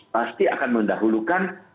pasti akan mendahulukan